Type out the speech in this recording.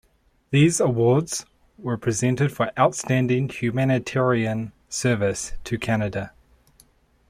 These awards were presented for outstanding humanitarian service to Canada.